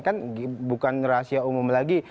kan bukan rahasia umum lagi